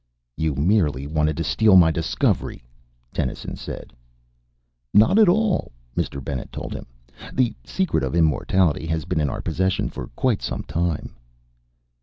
"You merely wanted to steal my discovery," Dennison said. "Not at all," Mr. Bennet told him. "The secret of immortality has been in our possession for quite some time."